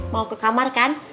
mau ke kamar kan